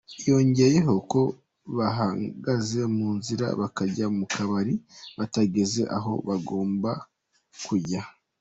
Yongeyeho ko bahagaze mu nzira bakajya mu kabari batageze aho bagombaga kujya.